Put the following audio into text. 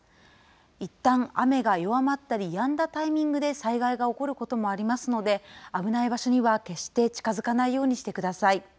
いったん雨が弱まったりやんだタイミングで災害が起こることもありますので、危ない場所には決して近づかないようにしてください。